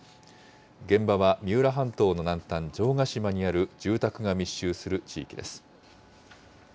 現場は三浦半島の南端、城ヶ島にある住宅が密集する地域です。